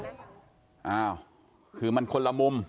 อ้าวคือมันคนละมุม